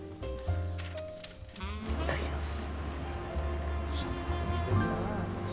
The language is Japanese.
いただきます。